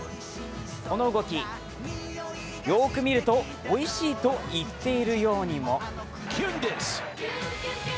この動き、よく見ると、「おいしい」と言っているようにも。